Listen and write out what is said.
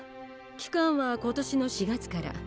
期間は今年の４月から。